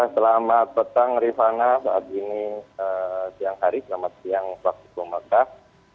selamat petang rifana saat ini siang hari selamat siang waktu mekah